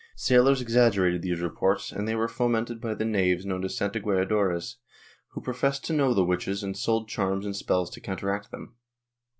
Sailors exaggerated these reports and they were fomented by the knaves known as santigueadores, who professed to know the witches and sold charms and spells to counteract them.